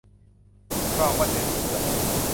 กรอกวันเดือนปีเกิด